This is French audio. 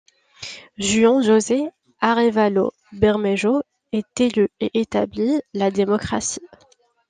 Juan José Arévalo Bermejo est élu et établit la démocratie.